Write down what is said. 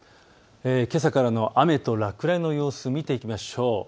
けさからの雨と落雷の様子を見ていきましょう。